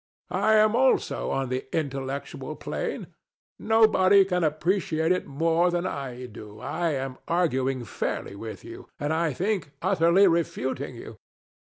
I am also on the intellectual plane. Nobody can appreciate it more than I do. I am arguing fairly with you, and, I think, utterly refuting you.